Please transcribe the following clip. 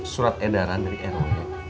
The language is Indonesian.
surat edaran dari rw